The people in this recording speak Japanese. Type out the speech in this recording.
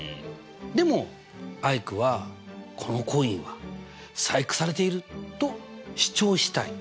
でもアイクは「このコインは細工されている」と主張したい。